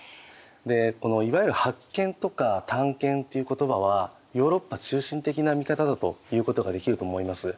いわゆる「発見」とか「探検」っていう言葉はヨーロッパ中心的な見方だということができると思います。